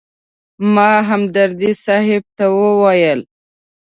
ما همدرد صاحب ته وویل.